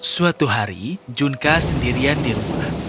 suatu hari junka sendirian di rumah